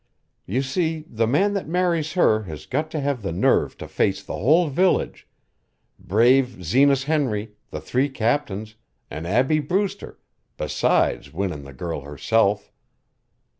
You see, the man that marries her has got to have the nerve to face the whole village brave Zenas Henry, the three captains, an' Abbie Brewster, besides winnin' the girl herself.